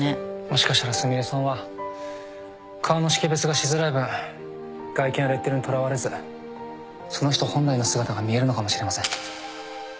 もしかしたらすみれさんは顔の識別がしづらい分外見やレッテルにとらわれずその人本来の姿が見えるのかもしれません